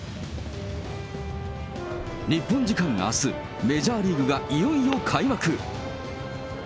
日本時間あす、メジャーリーグがいよいよ開幕。